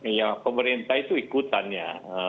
yang pemerintah itu ikutannya